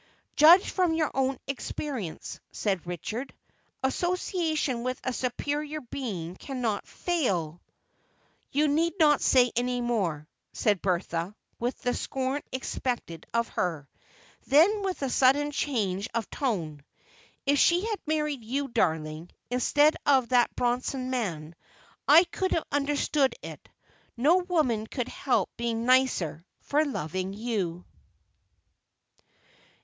"Judge from your own experience," said Richard. "Association with a superior being cannot fail—" "You need not say any more," said Bertha with the scorn expected of her. Then, with a sudden change of tone, "If she had married you, darling, instead of that Bronson man, I could have understood it—no woman could help being nicer for loving you!"